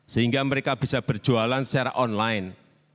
sehingga mereka bisa berjualan secara online